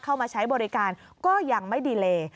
เข้ามาใช้บริการก็ยังไม่ดีเล